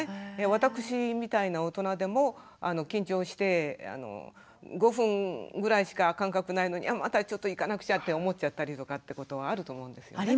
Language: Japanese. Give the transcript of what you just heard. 私みたいな大人でも緊張して５分ぐらいしか間隔ないのにまたちょっと行かなくちゃって思っちゃったりとかってことはあると思うんですよね。